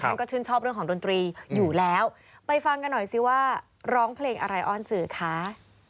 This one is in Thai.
ฉันก็ชื่นชอบเรื่องของดนตรีอยู่แล้วไปฟังกันหน่อยสิว่าร้องเพลงอะไรอ้อนสื่อคะ